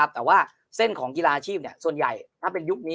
แต่ว่าเส้นของกีฬาอาชีพส่วนใหญ่ถ้าเป็นยุคนี้